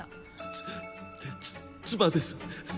つつ妻です。